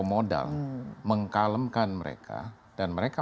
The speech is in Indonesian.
maunya memerangi semua